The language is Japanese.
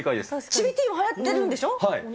ちびＴもはやってるんでしょ？